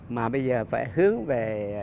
mà bây giờ phải hướng về